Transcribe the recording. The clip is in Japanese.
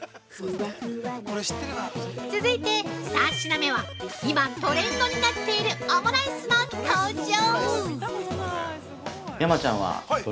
続いて３品目は、今、トレンドになっているオムライスの登場！！